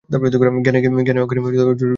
জ্ঞানে অজ্ঞানে জড়িত বিহ্বল মুখ।